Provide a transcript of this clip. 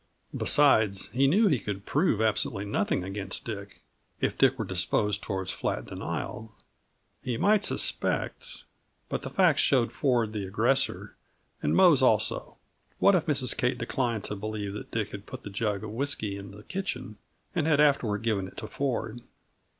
Besides, he knew he could prove absolutely nothing against Dick, if Dick were disposed toward flat denial. He might suspect but the facts showed Ford the aggressor, and Mose also. What if Mrs. Kate declined to believe that Dick had put that jug of whisky in the kitchen, and had afterward given it to Ford?